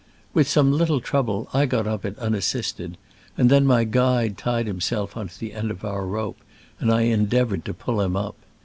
With some little trouble I got up it unassisted, and then my guide tied himself on to the end of our rope, and I endeavored to pull him up.